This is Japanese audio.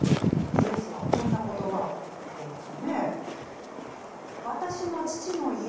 イエスはこんな言葉を言っていましたねえ。